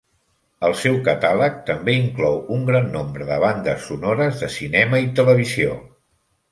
El seu catàleg també inclou un gran nombre de bandes sonores de cinema i televisió.